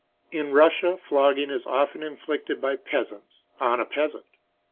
In Russia flogging is often inflicted by peasants on a peasant.